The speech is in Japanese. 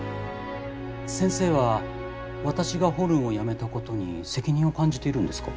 先生は私がホルンをやめたことに責任を感じているんですか？